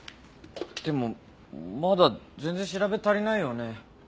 でもまだ全然調べ足りないよね。